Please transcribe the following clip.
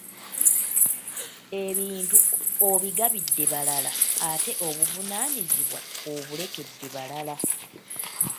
Ebintu obigabidde balala ate n'obuvunaanyizibwa obulekedde balala?